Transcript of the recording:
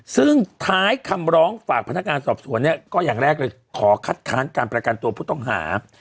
ซึ่งท้ายคำร้องฝากพนักงานสอบสวนเนี่ยก็อย่างแรกเลยขอคัดค้านการประกันตัวผู้ต้องหา